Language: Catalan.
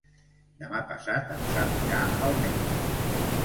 Demà passat en Sam irà al metge.